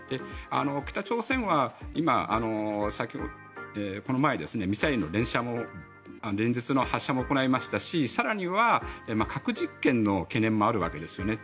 北朝鮮はこの前、ミサイルの連日の発射も行いましたし更には核実験の懸念もあるわけですよね。